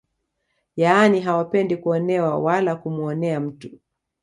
Yaani hawapendi kuonewa wala kumuonea mtu